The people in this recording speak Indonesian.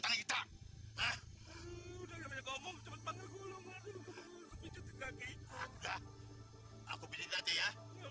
aku pindahin latih ya